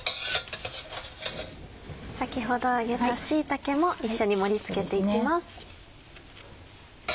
先ほど揚げた椎茸も一緒に盛り付けて行きます。